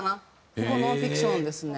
ほぼノンフィクションですね